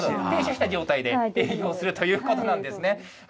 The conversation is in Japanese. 停車した状態で営業するということなんですね。